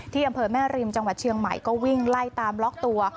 อำเภอแม่ริมจังหวัดเชียงใหม่ก็วิ่งไล่ตามล็อกตัว